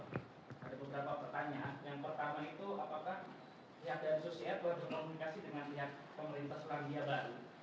ada beberapa pertanyaan yang pertama itu apakah pihak dari susi air berkomunikasi dengan pihak pemerintah surabaya baru